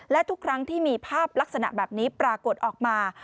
และทุกครั้งที่มีภาพลักษณะแบบนี้ปรากฏออกมา